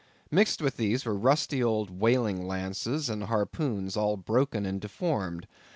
Mixed with these were rusty old whaling lances and harpoons all broken and deformed.